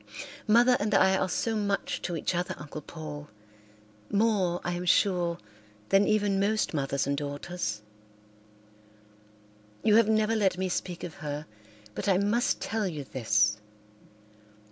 Mother and I are so much to each other, Uncle Paul, more, I am sure, than even most mothers and daughters. You have never let me speak of her, but I must tell you this.